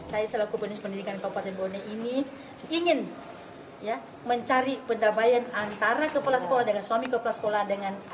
saya selaku pendidikan kabupaten bone ini ingin mencari pendamaian antara kepala sekolah dengan suami kepala sekolah